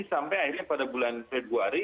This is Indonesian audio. sampai akhirnya pada bulan februari